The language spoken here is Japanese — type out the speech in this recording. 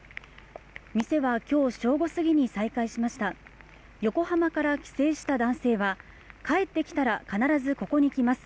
店は今日、正午過ぎに再開しました横浜から帰省した男性は帰ってきたら必ずここに来ます。